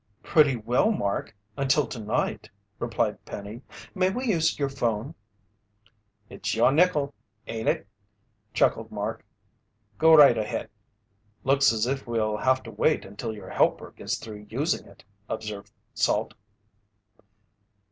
"Pretty well, Mark, until tonight," replied Penny. "May we use your phone?" "It's your nickel, ain't it?" chuckled Mark. "Go right ahead." "Looks as if we'll have to wait until your helper gets through using it," observed Salt.